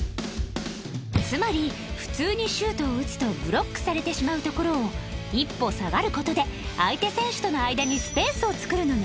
つまり普通にシュートを打つとブロックされてしまうところを一歩下がる事で相手選手との間にスペースを作るのね